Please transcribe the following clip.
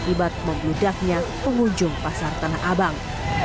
ibat membudaknya pengunjung pasar tanah abang